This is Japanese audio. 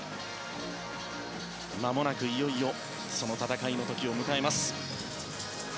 まもなく、いよいよその戦いの時を迎えます。